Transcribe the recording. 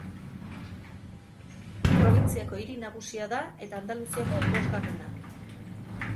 Probintziako hiri nagusia da, eta Andaluziako bosgarrena.